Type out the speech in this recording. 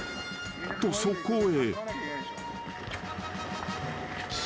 ［とそこへ］